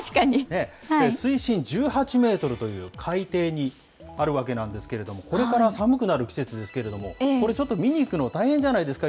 水深１８メートルという海底にあるわけなんですけれども、これから寒くなる季節ですけれども、これちょっと、見に行くの大変じゃないですか？